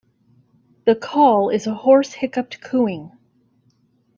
The call is a hoarse hiccuped cooing.